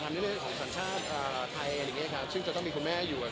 ตอนนี้ผมจะให้แม่มาทำสัญชาติไทย